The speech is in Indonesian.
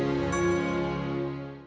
aku mau ke rumah